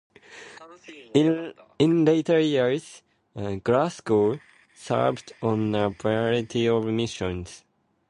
In later years, "Glasgow" served on a variety of missions.